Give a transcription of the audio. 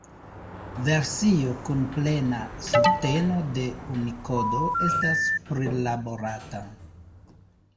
Versio kun plena subteno de Unikodo estas prilaborata.